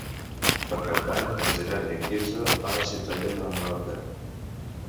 Per Cap d'Any en Gerard i en Quirze van a Ciutadella de Menorca.